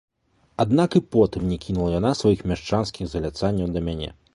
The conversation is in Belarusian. Аднак і потым не кінула яна сваіх мяшчанскіх заляцанняў да мяне.